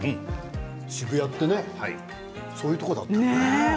渋谷ってねそういうところだったんだね。